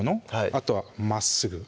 あとはまっすぐ